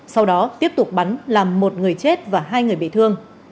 sau đó tiếp tục bắn làm một người chết và hai người bị thương